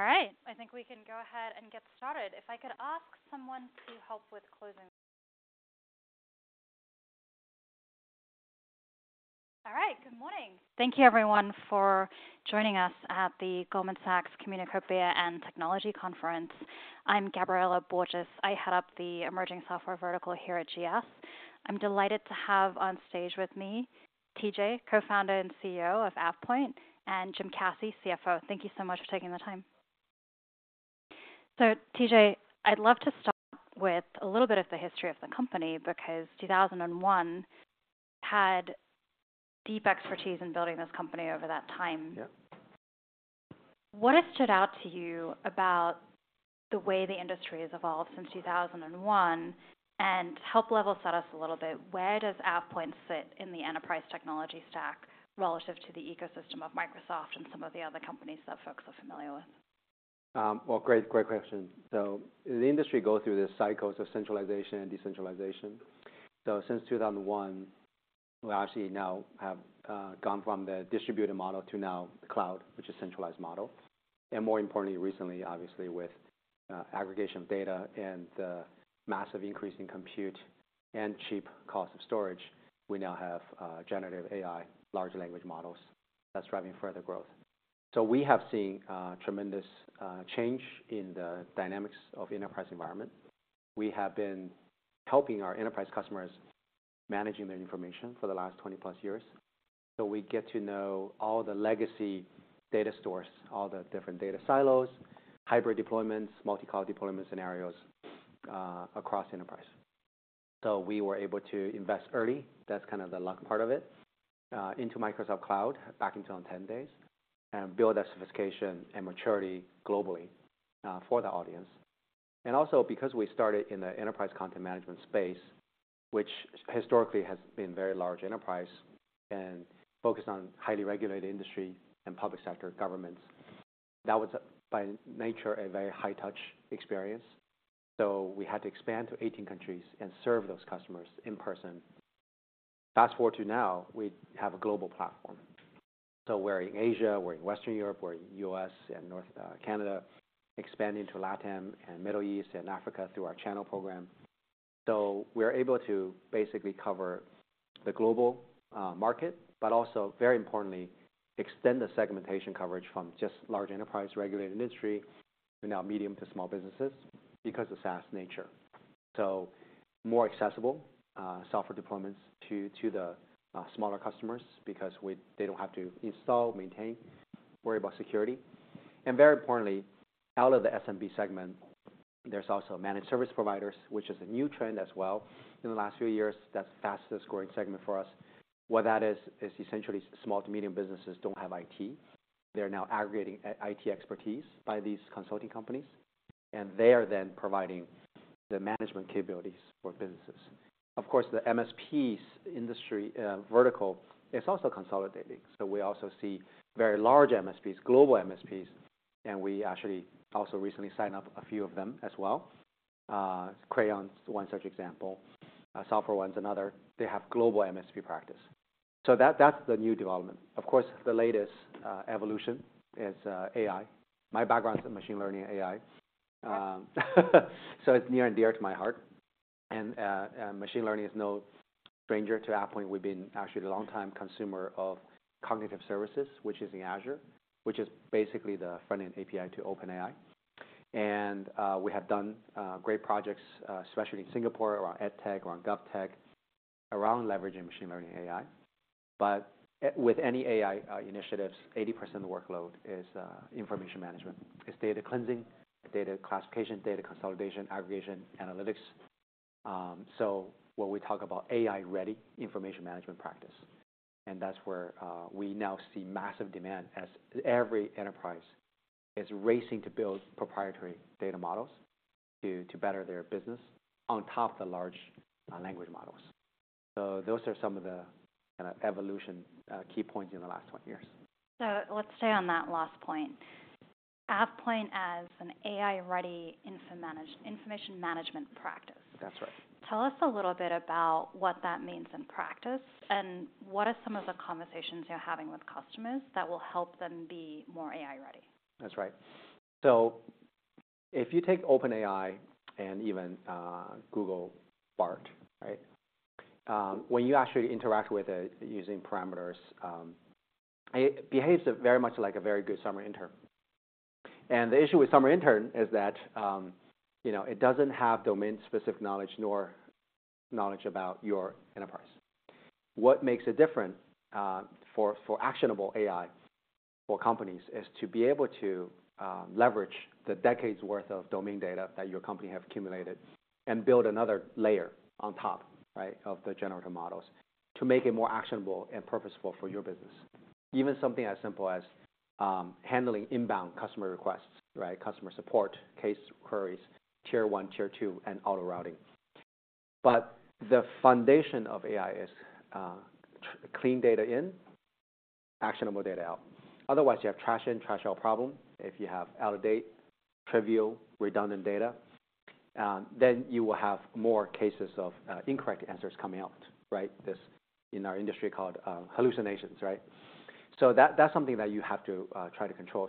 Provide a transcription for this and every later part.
All right. I think we can go ahead and get started. If I could ask someone to help with closing. All right. Good morning. Thank you, everyone, for joining us at the Goldman Sachs Communacopia + Technology Conference. I'm Gabriela Borges. I head the emerging software vertical here at GS. I'm delighted to have on stage with me, TJ, Co-founder and CEO of AvePoint, and Jim Caci, CFO. Thank you so much for taking the time. So, TJ, I'd love to start with a little bit of the history of the company, because 2001 had deep expertise in building this company over that time. Yep. What has stood out to you about the way the industry has evolved since 2001? Help level set us a little bit, where does AvePoint sit in the enterprise technology stack relative to the ecosystem of Microsoft and some of the other companies that folks are familiar with? Well, great, great question. So the industry goes through this cycles of centralization and decentralization. So since 2001, we actually now have gone from the distributor model to now cloud, which is centralized model, and more importantly, recently, obviously with aggregation of data and the massive increase in compute and cheap cost of storage, we now have generative AI, large language models that's driving further growth. So we have seen tremendous change in the dynamics of enterprise environment. We have been helping our enterprise customers managing their information for the last 20+ years, so we get to know all the legacy data stores, all the different data silos, hybrid deployments, multi-cloud deployment scenarios across enterprise. So we were able to invest early, that's kind of the luck part of it, into Microsoft Cloud back in 2010 days, and build that sophistication and maturity globally, for the audience. And also because we started in the enterprise content management space, which historically has been very large enterprise and focused on highly regulated industry and public sector governments, that was, by nature, a very high touch experience, so we had to expand to 18 countries and serve those customers in person. Fast-forward to now, we have a global platform. So we're in Asia, we're in Western Europe, we're in U.S. and North, Canada, expanding to LATAM and Middle East and Africa through our Channel Program. So we're able to basically cover the global market, but also very importantly, extend the segmentation coverage from just large enterprise, regulated industry to now medium to small businesses because of SaaS nature. So more accessible software deployments to the smaller customers because they don't have to install, maintain, worry about security. And very importantly, out of the SMB segment, there's also managed service providers, which is a new trend as well. In the last few years, that's the fastest growing segment for us. What that is, is essentially small to medium businesses don't have IT. They're now aggregating IT expertise by these consulting companies, and they are then providing the management capabilities for businesses. Of course, the MSPs industry vertical is also consolidating, so we also see very large MSPs, global MSPs, and we actually also recently signed up a few of them as well. Crayon's one such example, SoftwareOne's another. They have global MSP practice. So that, that's the new development. Of course, the latest evolution is AI. My background is in machine learning and AI, so it's near and dear to my heart. And machine learning is no stranger to AvePoint. We've been actually a long-time consumer of Cognitive Services, which is in Azure, which is basically the front-end API to OpenAI. And we have done great projects, especially in Singapore, around EdTech, around GovTech, around leveraging machine learning and AI. But with any AI initiatives, 80% of the workload is information management. It's data cleansing, data classification, data consolidation, aggregation, analytics. So when we talk about AI-ready information management practice, and that's where we now see massive demand as every enterprise is racing to build proprietary data models to, to better their business on top of the large language models. So those are some of the evolution key points in the last 20 years. So let's stay on that last point. AvePoint as an AI-ready information management practice. That's right. Tell us a little bit about what that means in practice, and what are some of the conversations you're having with customers that will help them be more AI-ready? That's right. So if you take OpenAI and even Google Bard, right? When you actually interact with it using parameters, it behaves very much like a very good summer intern. And the issue with summer intern is that, you know, it doesn't have domain-specific knowledge nor knowledge about your enterprise. What makes it different for actionable AI for companies is to be able to leverage the decades worth of domain data that your company have accumulated and build another layer on top, right, of the generative models to make it more actionable and purposeful for your business. Even something as simple as handling inbound customer requests, right? Customer support, case queries, Tier 1, Tier 2, and auto routing. But the foundation of AI is clean data in, actionable data out. Otherwise, you have trash in, trash out problem. If you have out-of-date, trivial, redundant data, then you will have more cases of incorrect answers coming out, right? This, in our industry, called hallucinations, right? So that's something that you have to try to control.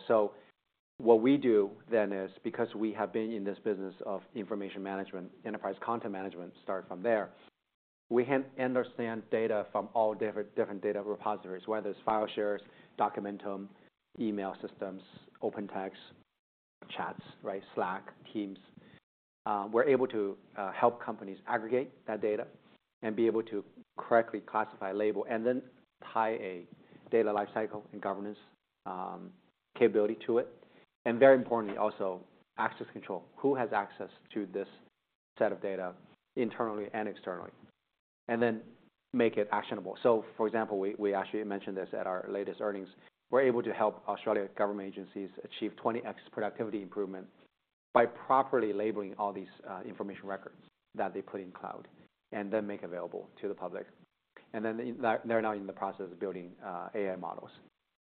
So what we do then is, because we have been in this business of information management, enterprise content management, start from there, we can understand data from all different, different data repositories, whether it's file shares, Documentum, email systems, OpenText, chats, right, Slack, Teams. We're able to help companies aggregate that data and be able to correctly classify, label, and then tie a data lifecycle and governance capability to it. And very importantly, also, access control. Who has access to this set of data internally and externally? And then make it actionable. So for example, we, we actually mentioned this at our latest earnings. We're able to help Australian government agencies achieve 20x productivity improvement by properly labeling all these information records that they put in cloud, and then make available to the public. Then they, they're now in the process of building AI models.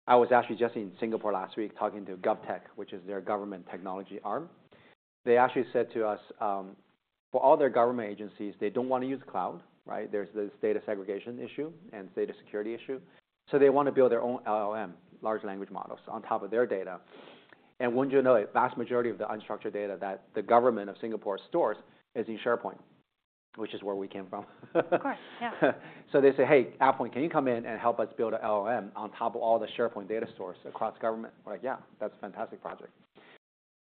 I was actually just in Singapore last week talking to GovTech, which is their government technology arm. They actually said to us, for all their government agencies, they don't wanna use cloud, right? There's this data segregation issue and data security issue, so they want to build their own LLM, large language models, on top of their data. And wouldn't you know it, vast majority of the unstructured data that the government of Singapore stores is in SharePoint, which is where we came from. Of course, yeah. So they say, "Hey, AvePoint, can you come in and help us build an LLM on top of all the SharePoint data stores across government?" We're like, "Yeah, that's a fantastic project."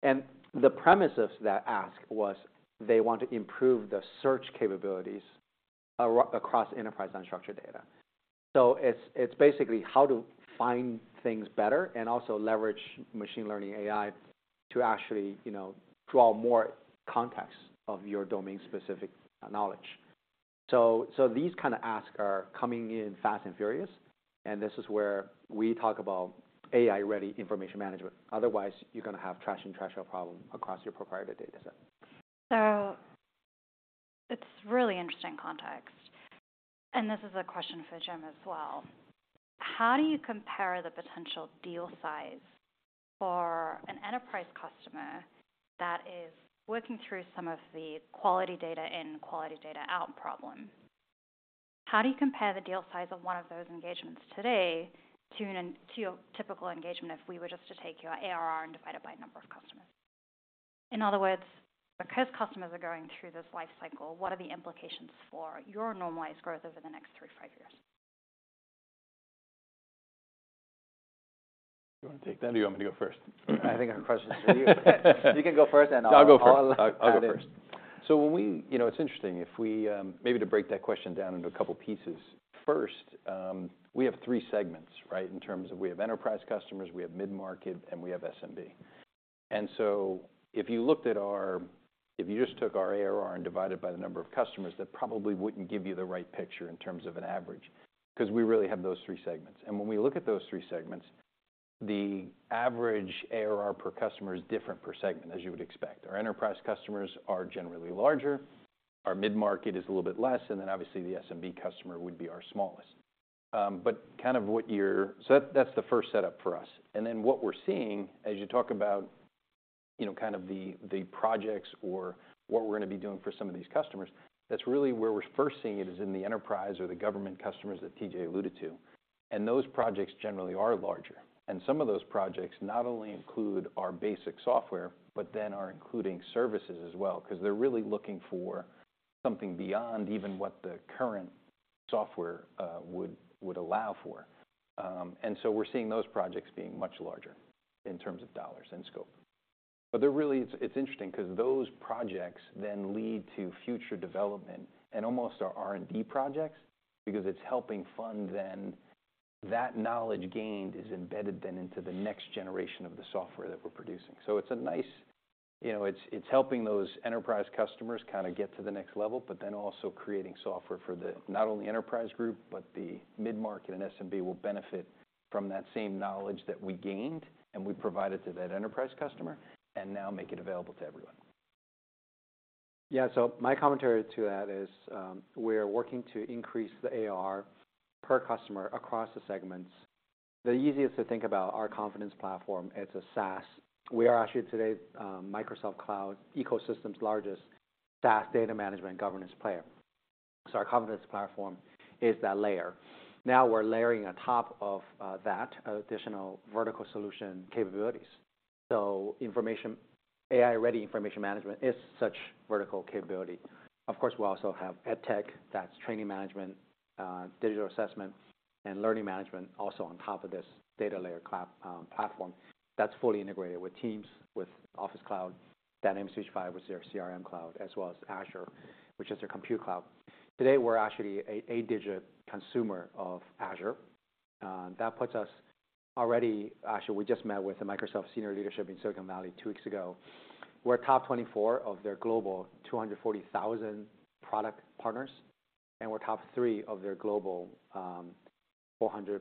And the premise of that ask was they want to improve the search capabilities across enterprise unstructured data. So it's basically how to find things better and also leverage machine learning AI to actually, you know, draw more context of your domain-specific knowledge. So these kind of asks are coming in fast and furious, and this is where we talk about AI-ready information management. Otherwise, you're gonna have trash in, trash out problem across your proprietary data set. It's really interesting context, and this is a question for Jim as well: How do you compare the potential deal size for an enterprise customer that is working through some of the quality data in, quality data out problem? How do you compare the deal size of one of those engagements today to an, to a typical engagement if we were just to take your ARR and divide it by number of customers? In other words, because customers are going through this life cycle, what are the implications for your normalized growth over the next three to five years? You wanna take that, or do you want me to go first? I think that question is for you. You can go first, and I'll. I'll go first. I'll add in. I'll go first. You know, it's interesting. If we maybe to break that question down into a couple pieces. First, we have three segments, right? In terms of we have enterprise customers, we have mid-market, and we have SMB. And so if you just took our ARR and divided by the number of customers, that probably wouldn't give you the right picture in terms of an average, 'cause we really have those three segments. And when we look at those three segments, the average ARR per customer is different per segment, as you would expect. Our enterprise customers are generally larger, our mid-market is a little bit less, and then obviously, the SMB customer would be our smallest. But kind of what you're, so that, that's the first setup for us. And then what we're seeing, as you talk about, you know, kind of the projects or what we're gonna be doing for some of these customers, that's really where we're first seeing it is in the enterprise or the government customers that TJ alluded to, and those projects generally are larger. And some of those projects not only include our basic software, but then are including services as well, 'cause they're really looking for something beyond even what the current software would allow for. And so we're seeing those projects being much larger in terms of dollars and scope. But they're really—it's interesting because those projects then lead to future development and almost our R&D projects, because it's helping fund then. That knowledge gained is embedded then into the next generation of the software that we're producing. So it's a nice, you know, it's helping those enterprise customers kind of get to the next level, but then also creating software for the not only enterprise group, but the mid-market and SMB will benefit from that same knowledge that we gained, and we provided to that enterprise customer and now make it available to everyone. Yeah. So my commentary to add is, we are working to increase the ARR per customer across the segments. The easiest to think about is our Confidence Platform, it's a SaaS. We are actually, today, Microsoft Cloud ecosystem's largest SaaS data management governance player. So our Confidence Platform is that layer. Now, we're layering on top of that additional vertical solution capabilities. So information, AI-ready information management is such vertical capability. Of course, we also have EduTech, that's training management, digital assessment, and learning management also on top of this data layer, Confidence Platform, that's fully integrated with Teams, with Office Cloud, Dynamics 365, with their CRM Cloud, as well as Azure, which is a compute cloud. Today, we're actually an eight-digit consumer of Azure. Actually, we just met with the Microsoft senior leadership in Silicon Valley two weeks ago. We're top 24 of their global 240,000 product partners, and we're top three of their global 400+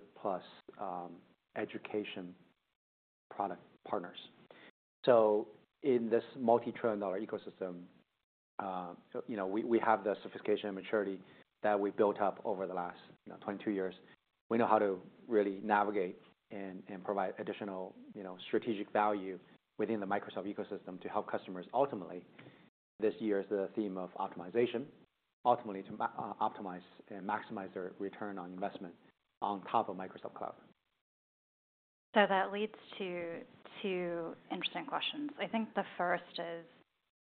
education product partners. So in this multi-trillion dollar ecosystem, you know, we have the sophistication and maturity that we built up over the last 22 years. We know how to really navigate and provide additional strategic value within the Microsoft ecosystem to help customers. Ultimately, this year is the theme of optimization, ultimately to optimize and maximize their return on investment on top of Microsoft Cloud. That leads to two interesting questions. I think the first is,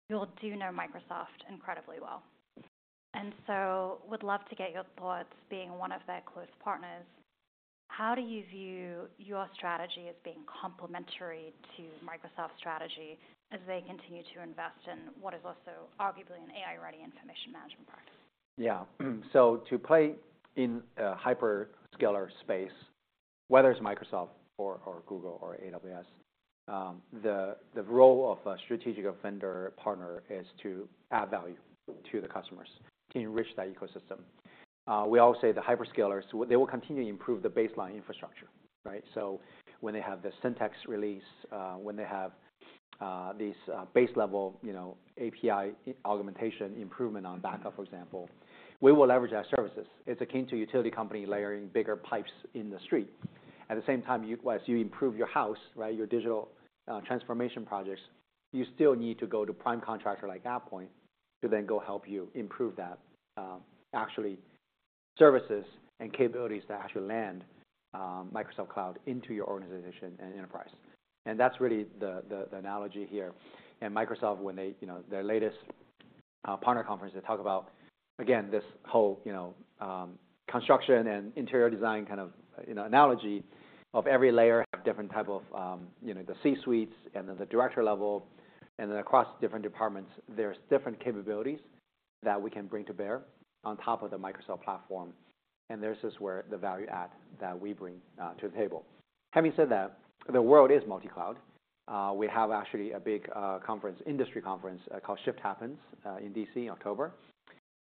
you all do know Microsoft incredibly well, and so would love to get your thoughts being one of their close partners. How do you view your strategy as being complementary to Microsoft's strategy as they continue to invest in what is also arguably an AI-ready information management practice? Yeah. So to play in a hyperscaler space, whether it's Microsoft or Google or AWS, the role of a strategic vendor partner is to add value to the customers, to enrich that ecosystem. We all say the hyperscalers, they will continue to improve the baseline infrastructure, right? So when they have the Syntex release, when they have these base level, you know, API augmentation improvement on backup, for example, we will leverage our services. It's akin to a utility company layering bigger pipes in the street. At the same time, as you improve your house, right, your digital transformation projects, you still need to go to a prime contractor like AvePoint, to then go help you improve that actually services and capabilities to actually land Microsoft Cloud into your organization and enterprise. And that's really the analogy here. And Microsoft, when they, you know, their latest, Partner Conference, they talk about, again, this whole, you know, construction and interior design kind of, you know, analogy of every layer have different type of, you know, the C-suites and then the director level, and then across different departments, there's different capabilities that we can bring to bear on top of the Microsoft platform, and this is where the value add that we bring, to the table. Having said that, the world is multi-cloud. We have actually a big, conference, industry conference, called #shifthappens, in D.C., in October.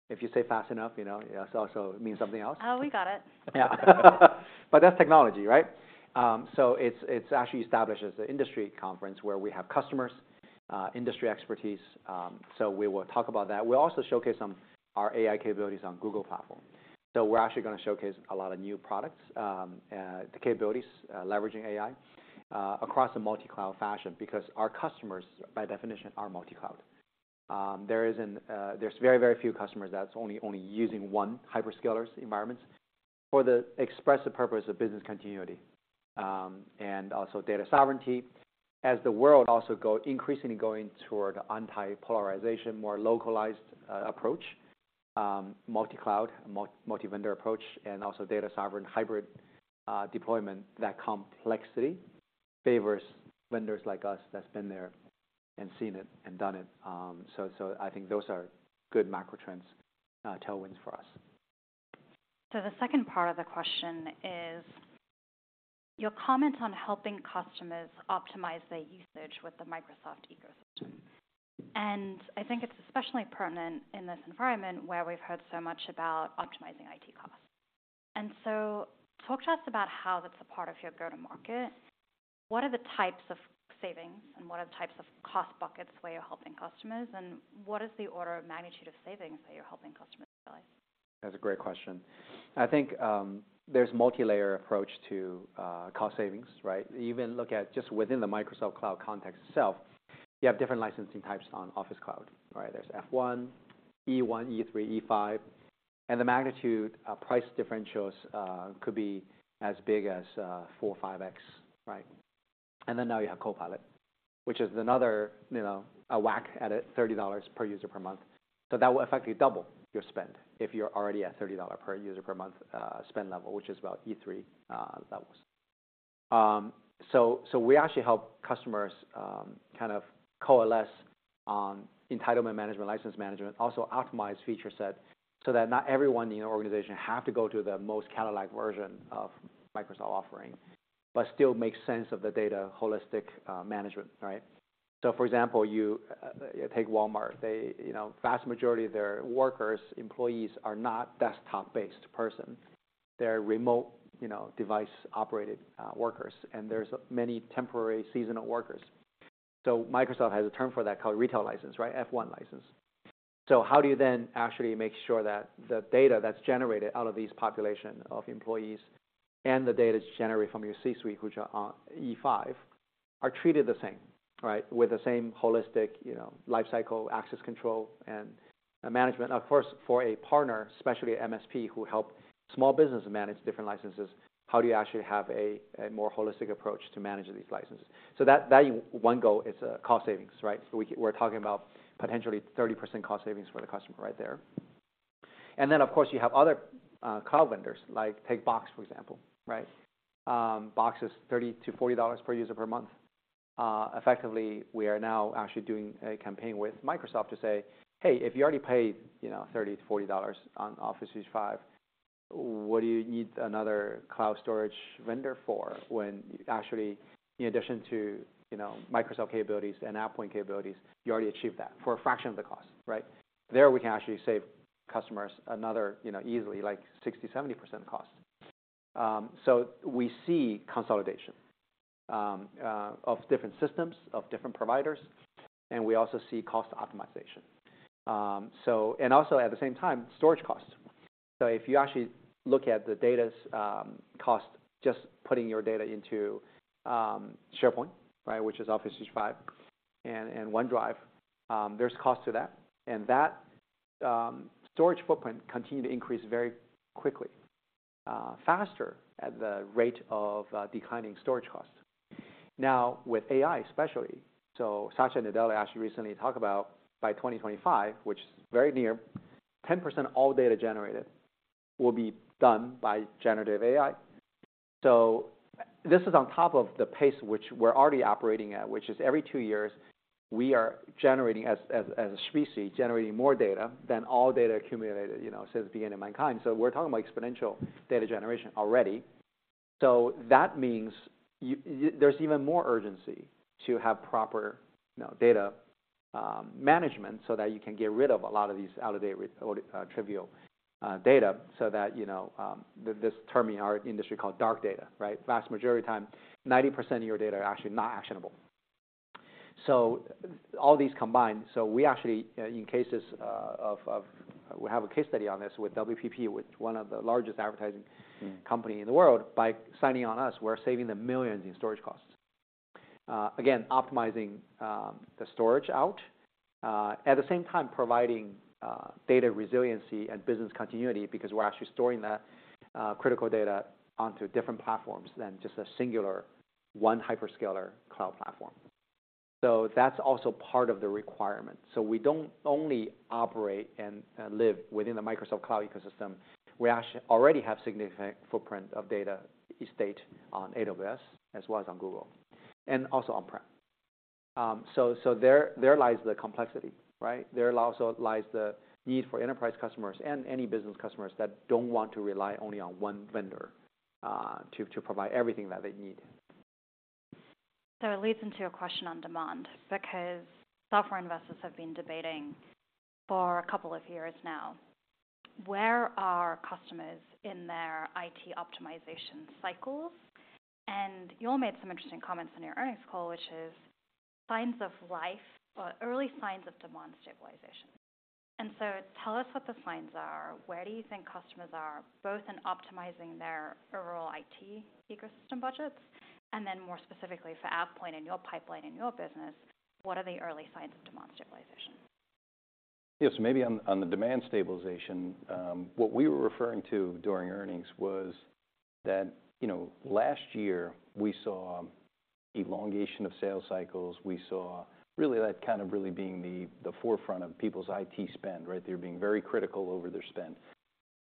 If you say fast enough, you know, it also means something else. Oh, we got it. Yeah. But that's technology, right? So it's actually established as an industry conference where we have customers, industry expertise, so we will talk about that. We'll also showcase some our AI capabilities on Google platform. So we're actually going to showcase a lot of new products, the capabilities, leveraging AI, across a multi-cloud fashion, because our customers, by definition, are multi-cloud. There isn't, there's very, very few customers that's only using one hyperscalers environments for the exclusive purpose of business continuity, and also data sovereignty. As the world also increasingly going toward anti-polarization, more localized approach, multi-cloud, multivendor approach, and also data-sovereign hybrid deployment, that complexity favors vendors like us that's been there and seen it and done it. So I think those are good macro trends, tailwinds for us. So the second part of the question is your comment on helping customers optimize their usage with the Microsoft ecosystem. I think it's especially pertinent in this environment where we've heard so much about optimizing IT costs. So talk to us about how that's a part of your go-to-market. What are the types of savings, and what are the types of cost buckets where you're helping customers? What is the order of magnitude of savings that you're helping customers realize? That's a great question. I think, there's multi-layer approach to cost savings, right? Even look at just within the Microsoft Cloud context itself, you have different licensing types on Office Cloud, right? There's F1, E1, E3, E5, and the magnitude of price differentials could be as big as 4x-5x, right? And then now you have Copilot, which is another, you know, a whack at it, $30 per user per month. So that will effectively double your spend if you're already at $30 per user per month spend level, which is about E3 levels. So we actually help customers kind of coalesce on entitlement management, license management, also optimize feature set, so that not everyone in your organization have to go to the most Cadillac version of Microsoft offering, but still make sense of the data holistic management, right? So for example, you take Walmart. You know, vast majority of their workers, employees are not desktop-based person. They're remote, you know, device-operated workers, and there's many temporary seasonal workers. So Microsoft has a term for that called retail license, right? F1 license. So how do you then actually make sure that the data that's generated out of these population of employees and the data that's generated from your C-suite, which are on E5, are treated the same, right? With the same holistic, you know, lifecycle, access control, and management. Of course, for a partner, especially MSP, who help small business manage different licenses, how do you actually have a more holistic approach to manage these licenses? So that value, one goal is, cost savings, right? We're talking about potentially 30% cost savings for the customer right there. And then, of course, you have other, cloud vendors, like take Box, for example, right? Box is $30-$40 per user per month. Effectively, we are now actually doing a campaign with Microsoft to say, "Hey, if you already paid, you know, $30-$40 on Office E5, what do you need another cloud storage vendor for?" When actually, in addition to, you know, Microsoft capabilities and AvePoint capabilities, you already achieved that for a fraction of the cost, right? There, we can actually save customers another, you know, easily, like 60%-70% cost. So we see consolidation of different systems, of different providers, and we also see cost optimization. And also at the same time, storage costs. So if you actually look at the data's cost, just putting your data into SharePoint, right, which is Office 365, and OneDrive, there's cost to that. And that storage footprint continue to increase very quickly, faster at the rate of declining storage costs. Now, with AI especially, so Satya Nadella actually recently talked about by 2025, which is very near, 10% of all data generated will be done by generative AI. So this is on top of the pace which we're already operating at, which is every two years, we are generating as a species, generating more data than all data accumulated, you know, since the beginning of mankind. So we're talking about exponential data generation already. So that means there's even more urgency to have proper, you know, data management, so that you can get rid of a lot of these out-of-date or trivial data so that, you know, this term in our industry called dark data, right? Vast majority of time, 90% of your data are actually not actionable. So all these combined, so we actually, in cases, of—we have a case study on this with WPP, with one of the largest advertising. Mm. Company in the world. By signing on us, we're saving them millions in storage costs. Again, optimizing the storage out at the same time, providing data resiliency and business continuity because we're actually storing the critical data onto different platforms than just a singular, one hyperscaler cloud platform. So that's also part of the requirement. So we don't only operate and live within the Microsoft Cloud ecosystem. We actually already have significant footprint of data estate on AWS, as well as on Google, and also on-prem. So there lies the complexity, right? There also lies the need for enterprise customers and any business customers that don't want to rely only on one vendor to provide everything that they need. It leads into a question on demand, because software investors have been debating for a couple of years now, where are customers in their IT optimization cycles? You all made some interesting comments on your earnings call, which is signs of life or early signs of demand stabilization. Tell us what the signs are. Where do you think customers are, both in optimizing their overall IT ecosystem budgets, and then more specifically, for AvePoint in your pipeline and your business, what are the early signs of demand stabilization? Yes, maybe on the demand stabilization, what we were referring to during earnings was that, you know, last year we saw elongation of sales cycles. We saw really that kind of being the forefront of people's IT spend, right? They're being very critical over their spend.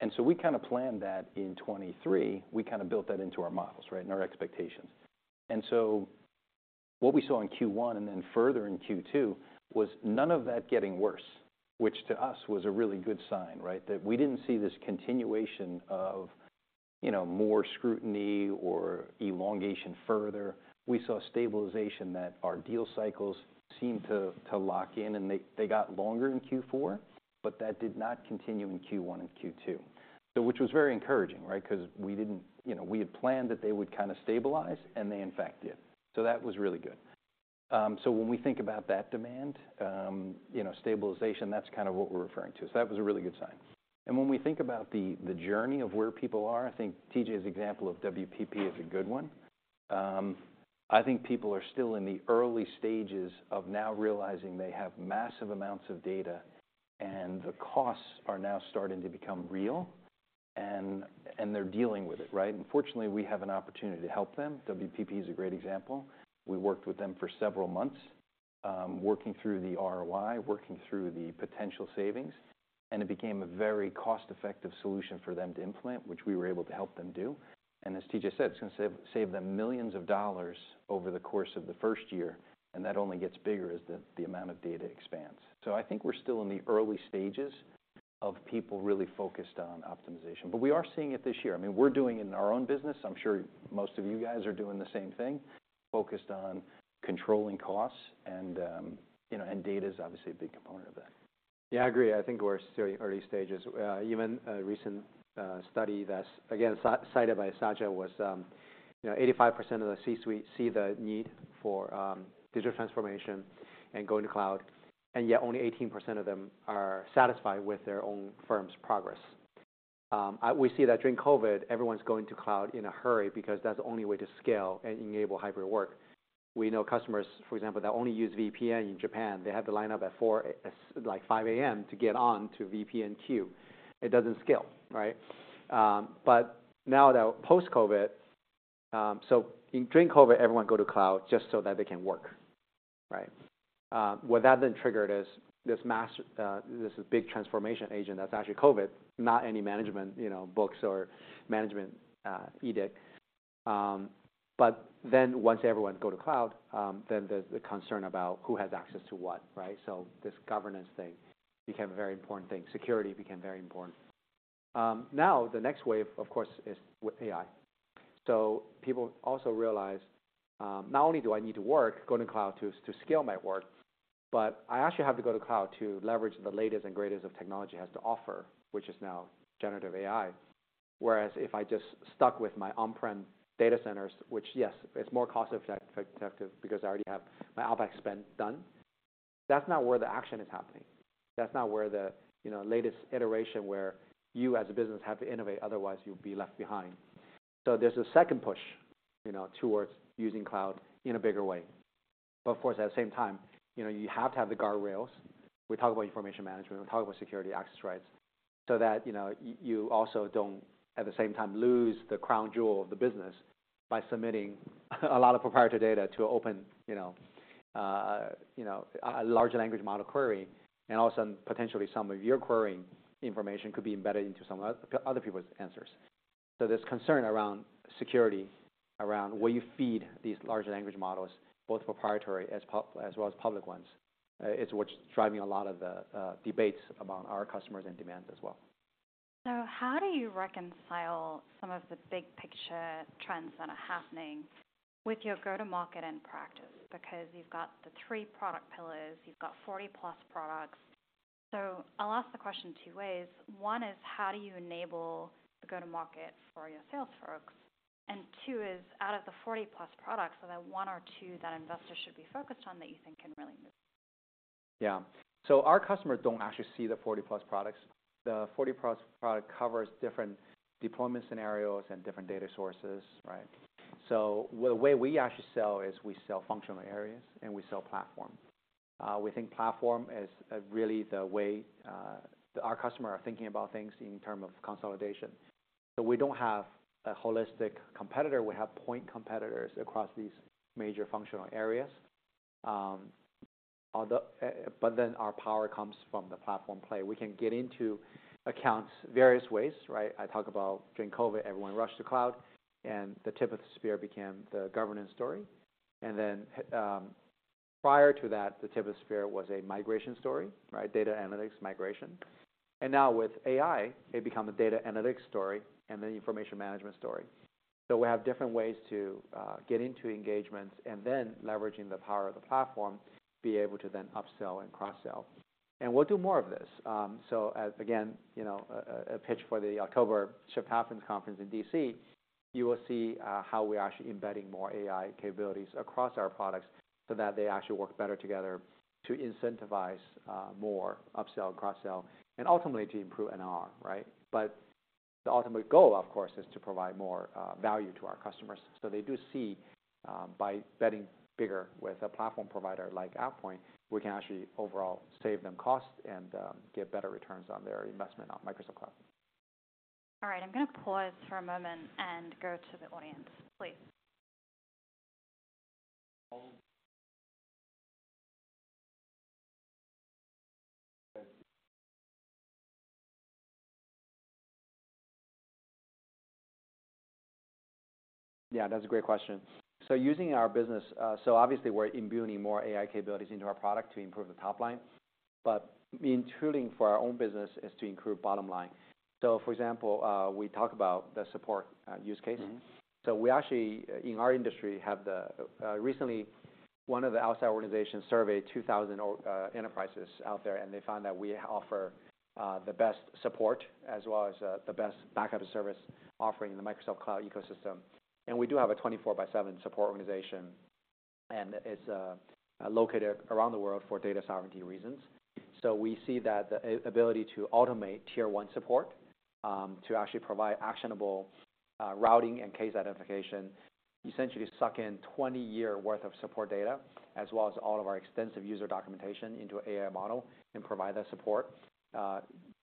And so we kind of planned that in 2023. We kind of built that into our models, right? And our expectations. And so what we saw in Q1 and then further in Q2 was none of that getting worse, which to us was a really good sign, right? That we didn't see this continuation of, you know, more scrutiny or elongation further. We saw stabilization that our deal cycles seemed to lock in, and they got longer in Q4, but that did not continue in Q1 and Q2. So which was very encouraging, right? 'Cause we didn't, you know, we had planned that they would kind of stabilize, and they in fact did. So that was really good. So when we think about that demand stabilization, that's kind of what we're referring to. So that was a really good sign. And when we think about the journey of where people are, I think TJ's example of WPP is a good one. I think people are still in the early stages of now realizing they have massive amounts of data, and the costs are now starting to become real, and they're dealing with it, right? And fortunately, we have an opportunity to help them. WPP is a great example. We worked with them for several months, working through the ROI, working through the potential savings, and it became a very cost-effective solution for them to implement, which we were able to help them do. And as TJ said, it's going to save, save them millions over the course of the first year, and that only gets bigger as the amount of data expands. So I think we're still in the early stages of people really focused on optimization, but we are seeing it this year. I mean, we're doing it in our own business. I'm sure most of you guys are doing the same thing, focused on controlling costs, and you know, and data is obviously a big component of that. Yeah, I agree. I think we're still early stages. Even a recent study that's, again, cited by Satya was, you know, 85% of the C-suite see the need for digital transformation and going to cloud, and yet only 18% of them are satisfied with their own firm's progress. We see that during COVID, everyone's going to cloud in a hurry because that's the only way to scale and enable hybrid work. We know customers, for example, that only use VPN in Japan, they have to line up at 4:00 AM, like, 5:00 A.M. to get on to VPN queue. It doesn't scale, right? But now that post-COVID, so during COVID, everyone go to cloud just so that they can work, right? What that then triggered is this mass, this big transformation agent that's actually COVID, not any management, you know, books or management edict. But then once everyone go to cloud, then there's the concern about who has access to what, right? So this governance thing became a very important thing. Security became very important. Now the next wave, of course, is with AI. So people also realize, not only do I need to work, go to cloud to scale my work, but I actually have to go to cloud to leverage the latest and greatest of technology has to offer, which is now generative AI. Whereas if I just stuck with my on-prem data centers, which, yes, it's more cost-effective, because I already have my OpEx spend done, that's not where the action is happening. That's not where the, you know, latest iteration, where you as a business have to innovate, otherwise you'll be left behind. So there's a second push, you know, towards using cloud in a bigger way. But of course, at the same time, you know, you have to have the guardrails. We talk about information management, we talk about security, access rights, so that, you know, you also don't, at the same time, lose the crown jewel of the business by submitting a lot of proprietary data to open, you know, you know, a large language model query, and all of a sudden, potentially some of your querying information could be embedded into some of other people's answers. So there's concern around security, around where you feed these large language models, both proprietary as well as public ones, is what's driving a lot of the debates among our customers and demands as well. So how do you reconcile some of the big picture trends that are happening with your go-to-market and practice? Because you've got the three product pillars, you've got 40+ products. So I'll ask the question two ways. One is: How do you enable the go-to-market for your sales folks? And two is: Out of the 40+ products, are there one or two that investors should be focused on that you think can really move? Yeah. So our customers don't actually see the 40+ products. The 40+ product covers different deployment scenarios and different data sources, right? So the way we actually sell is we sell functional areas, and we sell platform. We think platform is really the way our customer are thinking about things in term of consolidation. So we don't have a holistic competitor. We have point competitors across these major functional areas. But then our power comes from the platform play. We can get into accounts various ways, right? I talk about during COVID, everyone rushed to cloud, and the tip of the spear became the governance story. And then, prior to that, the tip of the spear was a migration story, right? Data analytics migration. And now with AI, it become a data analytics story and the information management story. So we have different ways to get into engagements and then leveraging the power of the platform, be able to then upsell and cross-sell. And we'll do more of this. So as, again, you know, a pitch for the October #shifthappens Conference in D.C., you will see how we're actually embedding more AI capabilities across our products so that they actually work better together to incentivize more upsell, cross-sell, and ultimately to improve NR, right? But the ultimate goal, of course, is to provide more value to our customers. So they do see by betting bigger with a platform provider like AvePoint, we can actually overall save them cost and get better returns on their investment on Microsoft Cloud. All right, I'm going to pause for a moment and go to the audience, please. Yeah, that's a great question. So obviously we're imbuing more AI capabilities into our product to improve the top line, but in tuning for our own business is to improve bottom line. So for example, we talk about the support use case. Mm-hmm. So we actually, in our industry, have recently, one of the outside organizations surveyed 2,000 enterprises out there, and they found that we offer the best support as well as the best backup service offering in the Microsoft Cloud ecosystem. And we do have a 24/7 support organization, and it's located around the world for data sovereignty reasons. So we see that the ability to automate tier one support to actually provide actionable routing and case identification, essentially suck in 20 years' worth of support data, as well as all of our extensive user documentation into an AI model and provide that support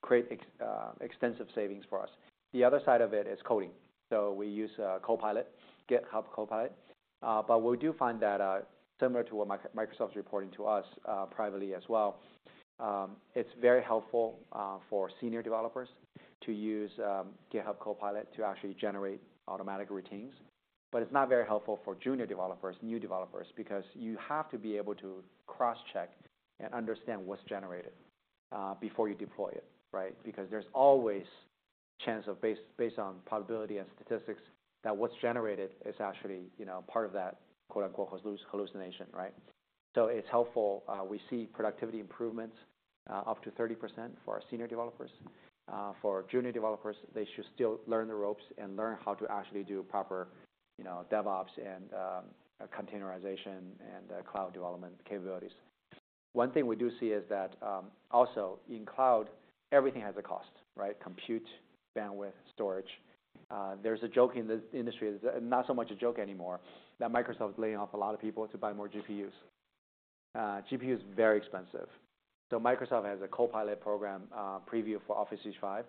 create extensive savings for us. The other side of it is coding. So we use Copilot, GitHub Copilot. But we do find that, similar to what Microsoft's reporting to us, privately as well, it's very helpful, for senior developers to use, GitHub Copilot to actually generate automatic routines. But it's not very helpful for junior developers, new developers, because you have to be able to cross-check and understand what's generated, before you deploy it, right? Because there's always chance of, based on probability and statistics, that what's generated is actually, you know, part of that quote, unquote, "hallucination," right? So it's helpful. We see productivity improvements up to 30% for our senior developers. For junior developers, they should still learn the ropes and learn how to actually do proper, you know, DevOps and, containerization and, cloud development capabilities. One thing we do see is that, also in cloud, everything has a cost, right? Compute, bandwidth, storage. There's a joke in the industry, not so much a joke anymore, that Microsoft is laying off a lot of people to buy more GPUs. GPU is very expensive. So Microsoft has a Copilot program, preview for Office 365.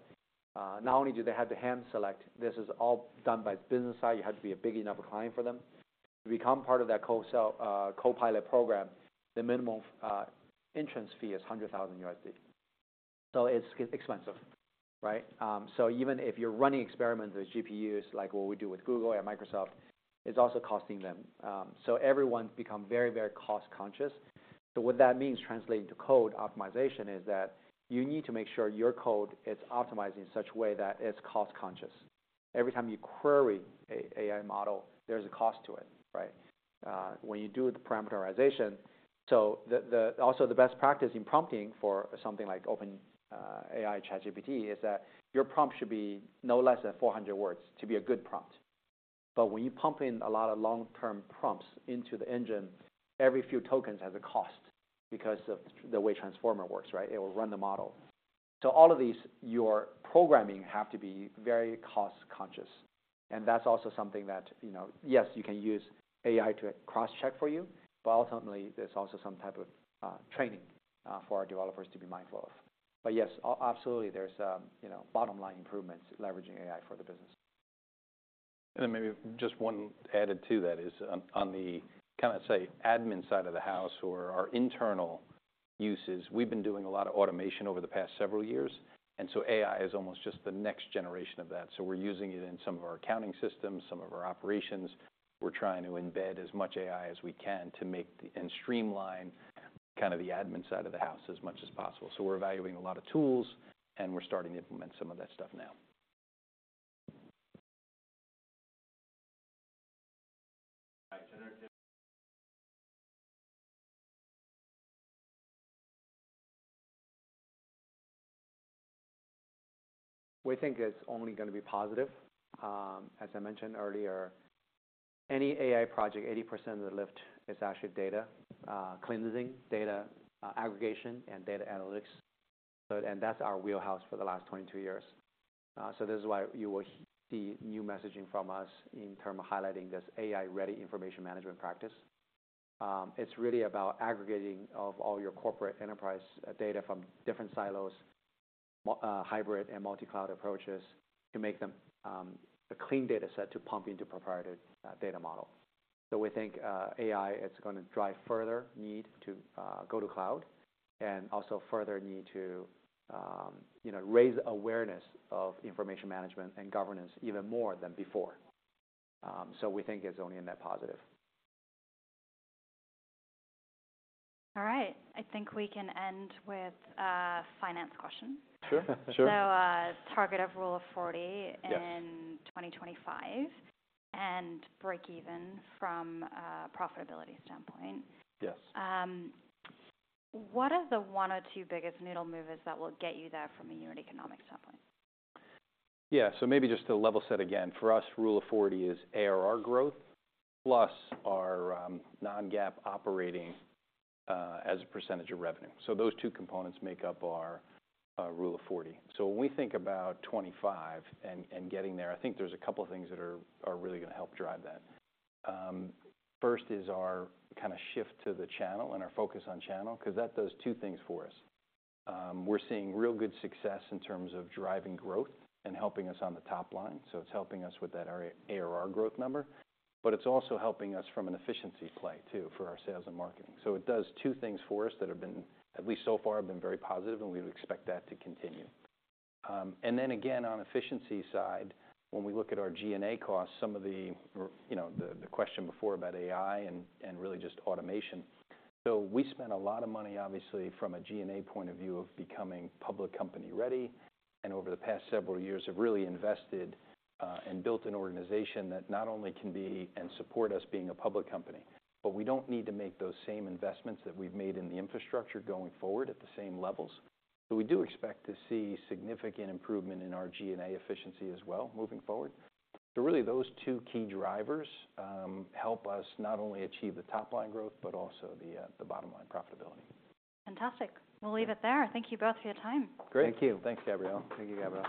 Not only do they have to hand select, this is all done by the business side. You have to be a big enough client for them. To become part of that co-sell, Copilot program, the minimum entrance fee is $100,000. So it's expensive, right? So even if you're running experiments with GPUs, like what we do with Google and Microsoft. It's also costing them. So everyone's become very, very cost conscious. So what that means, translated to code optimization, is that you need to make sure your code is optimized in such a way that it's cost conscious. Every time you query an AI model, there's a cost to it, right? When you do the parameterization. Also, the best practice in prompting for something like OpenAI ChatGPT is that your prompt should be no less than 400 words to be a good prompt. But when you pump in a lot of long-term prompts into the engine, every few tokens has a cost because of the way transformer works, right? It will run the model. So all of these, your programming, have to be very cost conscious, and that's also something that, you know, yes, you can use AI to cross-check for you, but ultimately, there's also some type of, training, for our developers to be mindful of. But yes, absolutely, there's a, you know, bottom line improvements leveraging AI for the business. And then maybe just one added to that is on the kinda, say, admin side of the house or our internal uses, we've been doing a lot of automation over the past several years, and so AI is almost just the next generation of that. So we're using it in some of our accounting systems, some of our operations. We're trying to embed as much AI as we can to make the, and streamline kind of the admin side of the house as much as possible. So we're evaluating a lot of tools, and we're starting to implement some of that stuff now. We think it's only gonna be positive. As I mentioned earlier, any AI project, 80% of the lift is actually data cleansing, data aggregation, and data analytics. So, and that's our wheelhouse for the last 22 years. So this is why you will see new messaging from us in term of highlighting this AI-ready information management practice. It's really about aggregating of all your corporate enterprise data from different silos, hybrid and multi-cloud approaches, to make them a clean data set to pump into proprietary data model. So we think, AI, it's gonna drive further need to go to cloud and also further need to, you know, raise awareness of information management and governance even more than before. So we think it's only a net positive. All right, I think we can end with a finance question. Sure, sure. So, target of Rule of 40. Yes. In 2025, and break even from a profitability standpoint. Yes. What are the one or two biggest needle movers that will get you there from a unit economic standpoint? Yeah, so maybe just to level set again. For us, Rule of 40 is ARR growth, plus our non-GAAP operating as a percentage of revenue. So those two components make up our Rule of 40. So when we think about 2025 and getting there, I think there's a couple of things that are really gonna help drive that. First is our kinda shift to the channel and our focus on channel, 'cause that does two things for us. We're seeing real good success in terms of driving growth and helping us on the top line, so it's helping us with that ARR growth number. But it's also helping us from an efficiency play too, for our sales and marketing. So it does two things for us that have been, at least so far, very positive, and we expect that to continue. And then again, on the efficiency side, when we look at our G&A costs, you know, the question before about AI and really just automation. So we spent a lot of money, obviously, from a G&A point of view, on becoming public company-ready, and over the past several years have really invested and built an organization that not only can be and support us being a public company, but we don't need to make those same investments that we've made in the infrastructure going forward at the same levels. So we do expect to see significant improvement in our G&A efficiency as well moving forward. So really, those two key drivers help us not only achieve the top-line growth but also the bottom line profitability. Fantastic. We'll leave it there. Thank you both for your time. Great. Thank you. Thanks, Gabriela. Thank you, Gabriela.